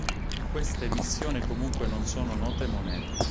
Di questa emissione comunque non sono note monete.